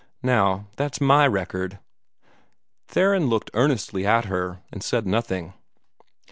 Now, that's MY record." Theron looked earnestly at her, and said nothing.